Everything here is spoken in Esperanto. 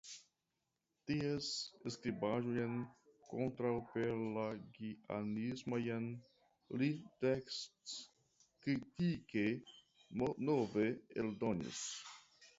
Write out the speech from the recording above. Ties skribaĵojn kontraŭpelagianismajn li tekstkritike nove eldonis.